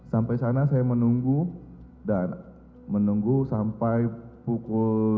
sampai sana saya menunggu dan menunggu sampai pukul tiga dua puluh